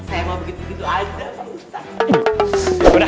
saya mau begitu begitu aja ustadz